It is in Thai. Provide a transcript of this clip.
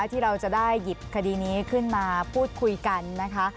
ที่เราจะได้หยิบคดีนี้ขึ้นมาพูดคุยกันนะคะ